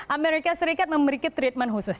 amerika serikat memiliki treatment khusus